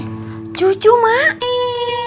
siapa yang foto sama artis deh